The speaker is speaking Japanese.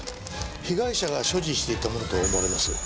被害者が所持していたものと思われます。